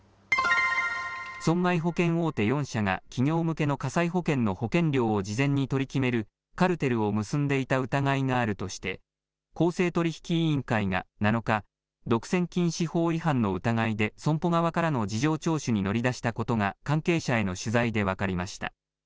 損害保険大手４社が、企業向けの火災保険の保険料を事前に取り決めるカルテルを結んでいた疑いがあるとして、公正取引委員会が７日、独占禁止法違反の疑いで損保側からの事情聴取に乗り出したことが、関係者への取材で分かりました。